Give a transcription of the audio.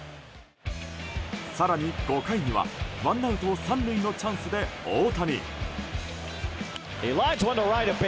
更に５回にはワンアウト３塁のチャンスで大谷。